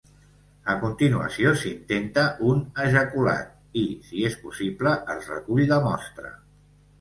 A continuació, s'intenta un ejaculat i, si és possible, es recull la mostra.